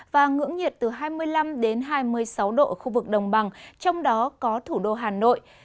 và ngưỡng nhiệt từ hai mươi năm đến hai mươi sáu độ ở khu vực đồng bằng trong đó có thủ đô hà nội